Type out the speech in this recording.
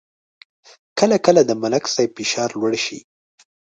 کله کله د ملک صاحب فشار لوړ شي